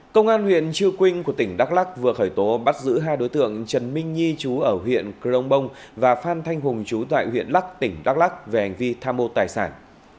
công an huyện chư quynh của tỉnh đắk lắc vừa khởi tố bắt giữ hai đối tượng trần minh nhi chú ở huyện crong bông và phan thanh hùng chú tại huyện lắc tỉnh đắk lắc về hành vi tham mô tài sản